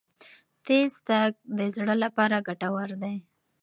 تېز تګ د زړه لپاره ګټور دی.